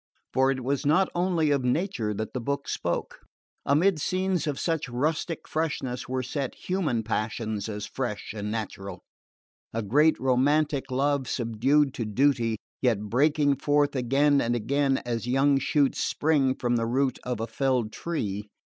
For it was not only of nature that the book spoke. Amid scenes of such rustic freshness were set human passions as fresh and natural: a great romantic love, subdued to duty, yet breaking forth again and again as young shoots spring from the root of a felled tree.